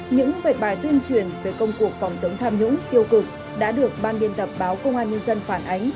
những vệ bài tuyên truyền về công cuộc phòng chống tham nhũng tiêu cực đã được ban biên tập báo công an nhân dân phản ánh